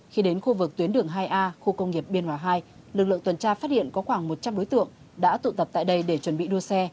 khi đến khu vực tuyến đường hai a khu công nghiệp biên hòa hai lực lượng tuần tra phát hiện có khoảng một trăm linh đối tượng đã tụ tập tại đây để chuẩn bị đua xe